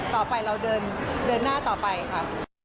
ต่อไปเราเดินหน้าต่อไปค่ะ